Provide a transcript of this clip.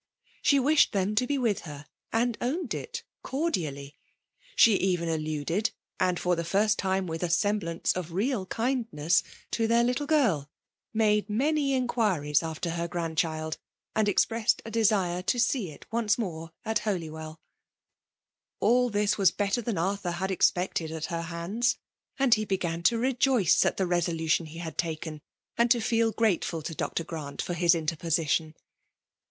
She wished them to be with her, and owned it cordially. She even aUuded, and for the jBrst time with a semblance of real kindness; to their htdc girl; made many inquiries after her grandchild, and expressed a desire to see it once more at HolywelL All this was better than Arthur had ex pected at her hands; and he began to rejoice at the resolution Jie had taken, and to feel grateful to Dr. Grant for his interposition.